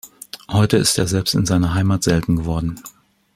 Heute ist er selbst in seiner Heimat selten geworden.